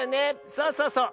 そうそうそう。